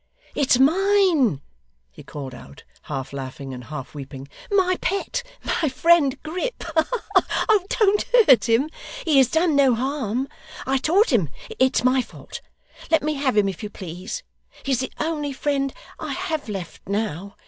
'It's mine,' he called out, half laughing and half weeping 'my pet, my friend Grip. Ha ha ha! Don't hurt him, he has done no harm. I taught him; it's my fault. Let me have him, if you please. He's the only friend I have left now.